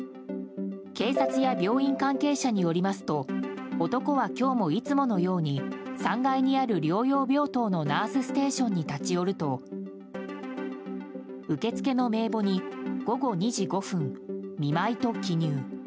警察や病院関係者によりますと男は今日も、いつものように３階にある療養病棟のナースステーションに立ち寄ると受付の名簿に午後２時５分、見舞いと記入。